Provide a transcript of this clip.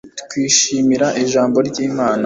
Twishimira Ijambo ry Imana